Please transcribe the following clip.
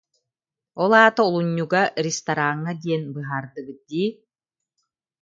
Ол аата олунньуга, рестораҥҥа диэн быһаардыбыт дии